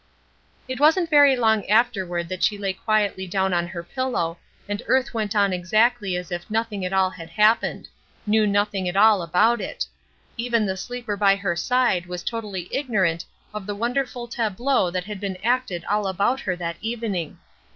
It wasn't very long afterward that she lay quietly down on her pillow, and earth went on exactly as if nothing at all had happened knew nothing at all about it even the sleeper by her side was totally ignorant of the wonderful tableau that had been acted all about her that evening.